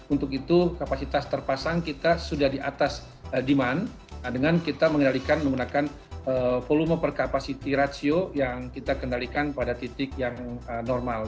untuk itu kapasitas terpasang kita sudah di atas demand dengan kita mengendalikan menggunakan volume per capacity ratio yang kita kendalikan pada titik yang normal